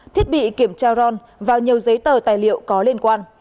thiết bị kiểm tra ron và nhiều giấy tờ tài liệu có liên quan